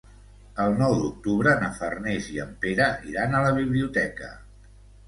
El nou d'octubre na Farners i en Pere iran a la biblioteca.